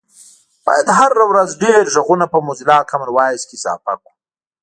باید هره ورځ ډېر غږونه په موزیلا کامن وایس کې اضافه کړو